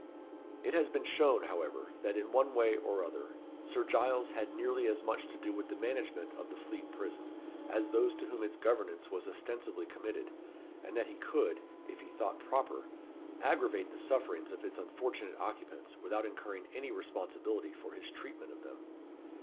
It has been shown, however, that, in one way or other, Sir Giles had nearly as much to do with the management of the Fleet Prison as those to whom its governance was ostensibly committed, and that he could, if he thought proper, aggravate the sufferings of its unfortunate occupants without incurring any responsibility for his treatment of them.